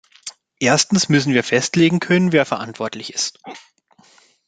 Erstens müssen wir festlegen können, wer verantwortlich ist.